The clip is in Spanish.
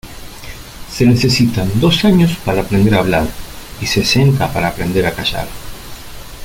Se necesitan dos años para aprender a hablar y sesenta para aprender a callar.